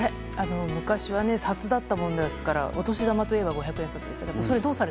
昔はお札だったものですからお年玉といえば五百円札でした。